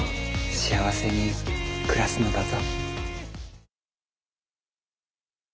幸せに暮らすのだぞ。